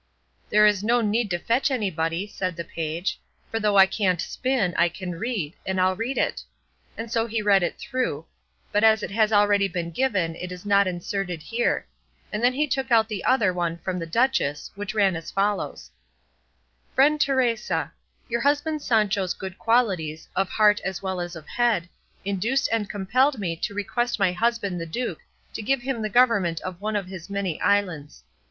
"There is no need to fetch anybody," said the page; "for though I can't spin I can read, and I'll read it;" and so he read it through, but as it has been already given it is not inserted here; and then he took out the other one from the duchess, which ran as follows: Friend Teresa, Your husband Sancho's good qualities, of heart as well as of head, induced and compelled me to request my husband the duke to give him the government of one of his many islands.